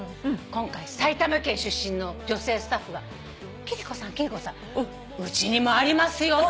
今回埼玉県出身の女性スタッフが「貴理子さん貴理子さんうちにもありますよ」